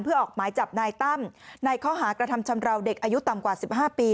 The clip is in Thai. เพื่อออกหมายจับนายตั้มในข้อหากระทำชำราวเด็กอายุต่ำกว่า๑๕ปี